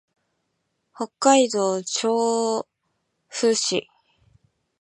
北海道猿払村